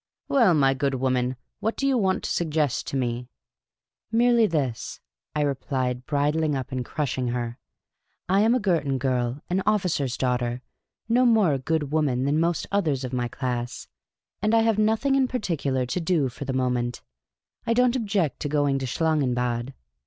Well, my good woman, what do you want to' suggest to me?" " Merely this," I replied, bridling up and crushing her. " I am a Girton girl, an officer's daughter, no more a good woman than most others of my class ; and I have nothing in particular to do for the moment. I don't object to going to Schlangenbad.